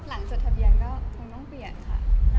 จดทะเบียนก็คงต้องเปลี่ยนค่ะ